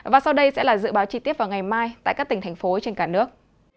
và sau đây sẽ là dự báo chi tiết vào ngày mai tại các tỉnh thành phố trên cả nước